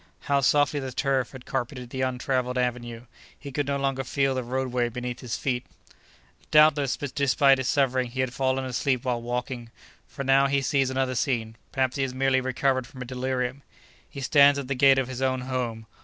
How softly the turf had carpeted the untraveled avenue—he could no longer feel the roadway beneath his feet! Doubtless, despite his suffering, he had fallen asleep while walking, for now he sees another scene—perhaps he has merely recovered from a delirium. He stands at the gate of his own home.